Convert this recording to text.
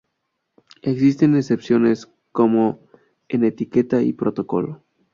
Existen excepciones como en etiqueta y protocolo.